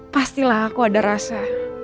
pastilah aku ada rasa